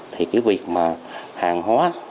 thì việc hàng hóa